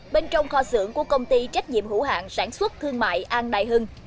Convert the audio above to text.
bên trong kho xưởng của công ty trách nhiệm hữu hạng sản xuất thương mại an đại hưng